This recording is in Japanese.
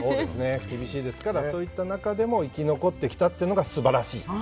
厳しいですからそういった中でも生き残ってきたのが素晴らしい。